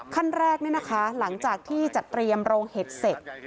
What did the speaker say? ขั้นแรกหลังจากที่จัดเตรียมโรงเห็ดเสร็จ